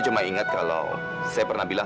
tunggu sebentar lila